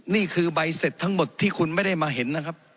นี่คือใบเสร็จทั้งหมดที่คุณไม่ได้มาเห็นนะครับ